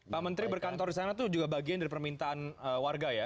pak menteri berkantor di sana itu juga bagian dari permintaan warga ya